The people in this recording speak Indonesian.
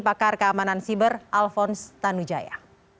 pakar keamanan siber alphonse tanujaya